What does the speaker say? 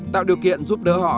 tạo điều kiện giúp đỡ họ